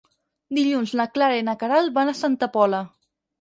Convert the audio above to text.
Dilluns na Clara i na Queralt van a Santa Pola.